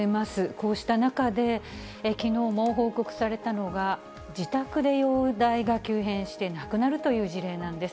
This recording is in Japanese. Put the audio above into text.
こうした中で、きのうも報告されたのが、自宅で容体が急変して亡くなるという事例なんです。